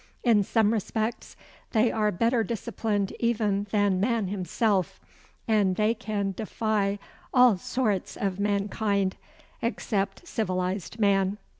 In some respects they are better disciplined even than man himself, and they can defy all sorts of mankind except civilized man.